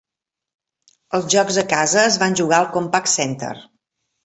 Els jocs a casa es van jugar al Compaq Center.